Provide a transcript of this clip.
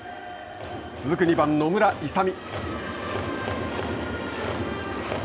続く２番、野村勇。